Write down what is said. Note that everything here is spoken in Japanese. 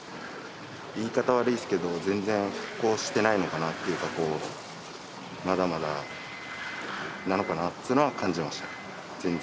言い方悪いっすけど全然復興してないのかなっていうかまだまだなのかなっつうのは感じました全然。